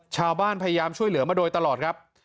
พยายามช่วยเหลือมาโดยตลอดครับ